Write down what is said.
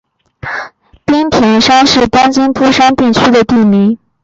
滨田山是东京都杉并区的地名。